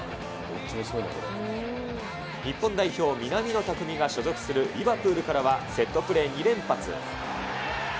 日本代表、南野拓実が所属するリバプールからはセットプレー２連発。